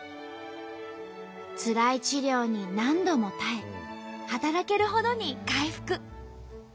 つらい治療に何度も耐え働けるほどに回復。